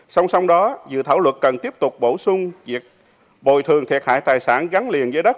song song đó dự thảo luật cần tiếp tục bổ sung việc bồi thường thiệt hại tài sản gắn liền với đất